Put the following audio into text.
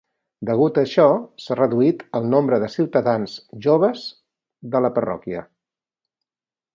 Degut a això, s'ha reduït el nombre de ciutadans joves de la parròquia.